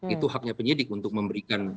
itu haknya penyidik untuk memberikan